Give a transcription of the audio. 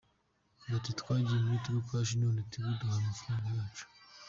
Bati “twagiye muri Tigo cash none Tigo niduhe amafaranga yacu”